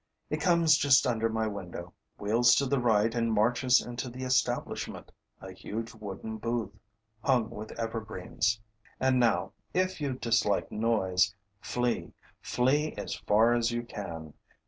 It comes just under my window, wheels to the right and marches into the establishment, a huge wooden booth, hung with evergreens. And now, if you dislike noise, flee, flee as far as you can.